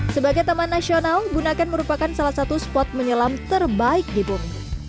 sebagai taman nasional bunakan merupakan salah satu spot menyelam terbaik di bumi